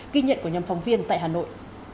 ghi nhận của nhóm phóng viên tại hà nội